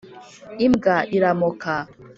imbwa iramoka